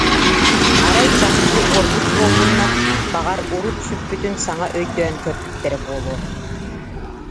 Арай, чахчы, уорбут буоллуннар, баҕар, урут сүппүтүн саҥа өйдөөн көрбүттэрэ буолуо